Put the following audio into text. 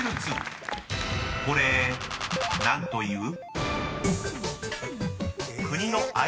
［これ何という？］